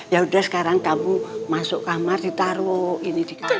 yaudah sekarang kamu masuk kamar ditaruh ini di kamar